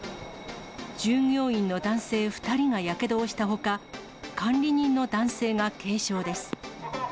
従業員の男性２人がやけどをしたほか、管理人の男性が軽傷です。